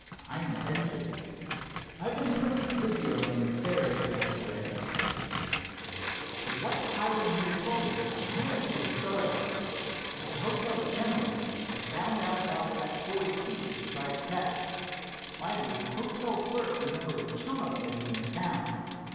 "I intend to." "I've been pretty busy on your affairs, Dashaway," proceeded the airman. "From what Hiram here told me, I had a clew to start on. At the hotel at Genoa I found out about that boy thief you tried to catch. Finally the hotel clerk remembered a chum of his in the town.